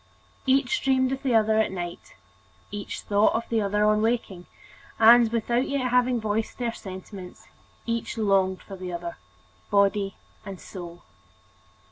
Each dreamed of the other at night, each thought of the other on awaking, * and, without yet having voiced their sentiments, each longing for the other, body and soul.